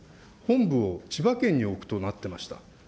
本部を千葉県に置くとなってました。